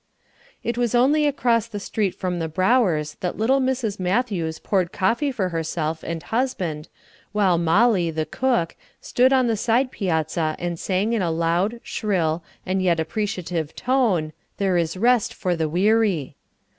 It was only across the street from the Browers' that little Mrs. Matthews poured coffee for herself and husband, while Mollie, the cook, stood on the side piazza and sang in a loud, shrill, and yet appreciative tone, "There is rest for the weary."